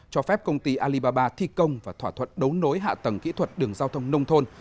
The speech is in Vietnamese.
cho phép công ty alibaba thi công và thỏa thuận đấu nối hạ tầng kỹ thuật đường giao thông nông thôn